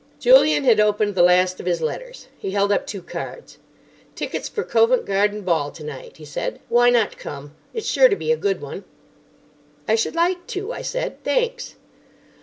Julian had opened the last of his letters. He held up two cards. "Tickets for Covent Garden Ball tonight," he said. "Why not come? It's sure to be a good one." "I should like to," I said. "Thanks."